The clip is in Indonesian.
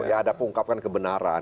ya ada pengungkapkan kebenaran